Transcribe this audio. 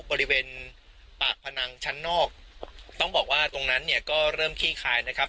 บริเวณปากพนังชั้นนอกต้องบอกว่าตรงนั้นเนี่ยก็เริ่มขี้คายนะครับ